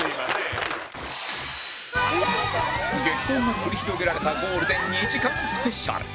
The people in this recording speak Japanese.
激闘が繰り広げられたゴールデン２時間スペシャル